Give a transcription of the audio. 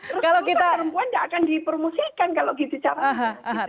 terus perempuan gak akan dipromosikan kalau gitu caranya